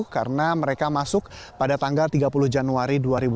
karena mereka masuk pada tanggal tiga puluh januari dua ribu dua puluh